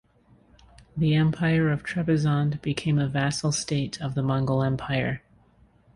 The Empire of Trebizond became a vassal state of the Mongol empire.